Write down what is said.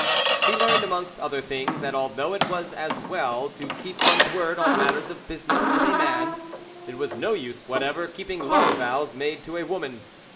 He learned amongst other things that, although it was as well to keep one's word on matters of business with a man, it was no use whatever keeping love vows made to a woman.